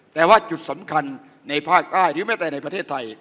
แต่ว่าจุดสำคัญในภาคใต้หรือแม้แต่ในประเทศไทย